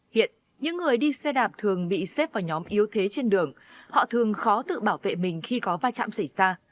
hiện những người đi xe đạp thường bị xếp vào nhóm yếu thế trên đường họ thường khó tự bảo vệ mình khi có va chạm xảy ra